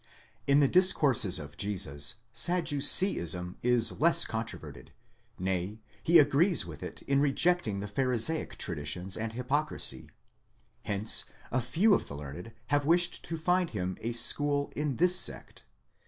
In the discourses of Jesus Sadduceeism is less controverted, nay, he agrees with it in rejecting the Pharisaic traditions and hypocrisy ; hence a few of the learned have wished to find him a school in this sect.